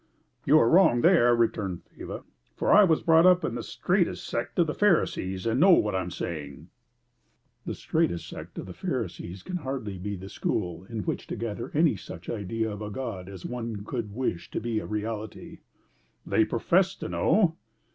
"You are wrong there," returned Faber; "for I was brought up in the straitest sect of the Pharisees, and know what I am saying." "The straitest sect of the Pharisees can hardly be the school in which to gather any such idea of a God as one could wish to be a reality." "They profess to know."